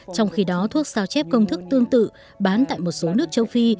trong khi đó thuốc sao chép công thức tương tự bán tại một số nước châu phi